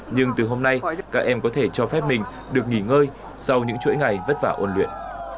nhưng từ hôm nay các em có thể cho phép mình được nghỉ ngơi sau những chuỗi ngày vất vả ôn luyện